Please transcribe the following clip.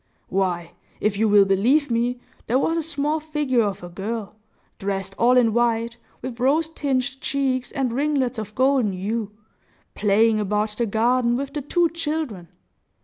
Why, if you will believe me, there was a small figure of a girl, dressed all in white, with rose tinged cheeks and ringlets of golden hue, playing about the garden with the two children!